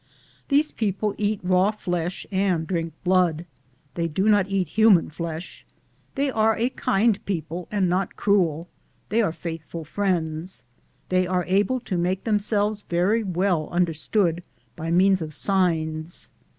These people eat raw flesh and drink blood. They do nob eat human flesh. They are a kind people and not cruel They are faithful friends. They are able to make themselves very well understood by means of signs.